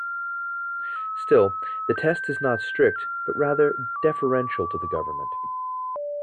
Still, the test is not strict but rather deferential to the government.